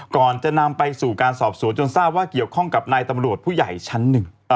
ก่อนจะนำไปสู่การสอบสวนจนทราบว่าเกี่ยวข้องกับนายตำรวจผู้ใหญ่ชั้นหนึ่ง